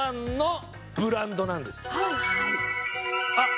あっ。